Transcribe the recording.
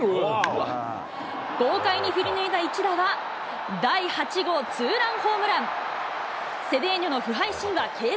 豪快に振り抜いた一打は、第８号ツーランホームラン。